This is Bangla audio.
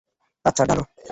আচ্ছা, ঢালো।